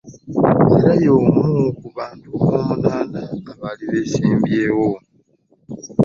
Era y'omu ku bantu omunaana abaali beesimbyewo